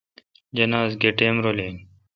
جناز گہ ٹئم رل این۔